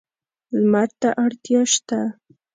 لمر ته اړتیا شته.